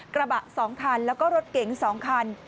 กระบะ๒คันแล้วก็รถเก๋ง๒คัน